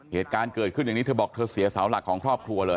เหตุการณ์เกิดขึ้นอย่างนี้เธอบอกเธอเสียเสาหลักของครอบครัวเลย